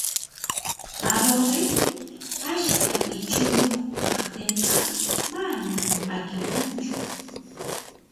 Adobe ashka ichuyuq kaqtinqa manan p'akikunchu